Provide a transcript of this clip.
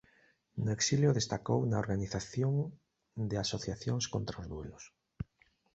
No exilio destacou na organización de asociacións contra os duelos.